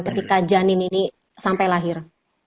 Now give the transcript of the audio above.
ketika janin ini sampai lahir